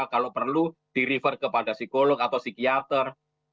kalau perlu di refer kepada psikolog atau psikiater